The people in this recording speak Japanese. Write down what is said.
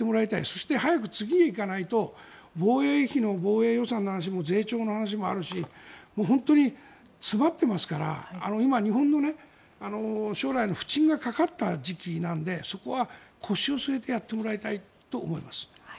そして早く次へ行かないと防衛費の防衛予算の話も税調の話もあるし本当に詰まってますから今、日本の将来の浮沈がかかった時期なのでそこは腰を据えてやってもらいたいと思います。